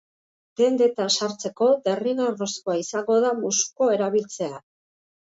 Dendetan sartzeko derrigorrezkoa izango da musuko erabiltzea.